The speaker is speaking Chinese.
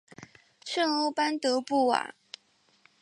圣欧班德布瓦。